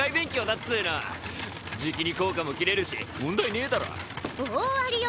っつうのじきに効果も切れるし問題ねえだろ大ありよ